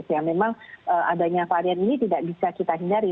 ya memang adanya varian ini tidak bisa kita hindari